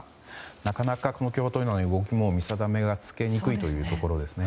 なかなか共和党内の動きも見定めがつけにくいということですね。